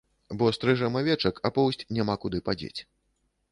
Бо стрыжэм авечак, а поўсць няма куды падзець.